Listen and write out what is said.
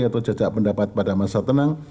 atau jajak pendapat pada masa tenang